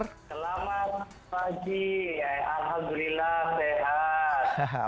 selamat pagi alhamdulillah sehat